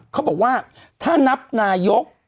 เขาบอกว่าถ้านับนายก